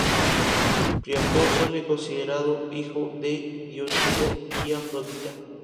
Príapo suele ser considerado hijo de Dioniso y Afrodita.